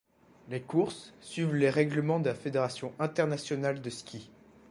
Les courses suivent les règlements de la fédération internationale de ski.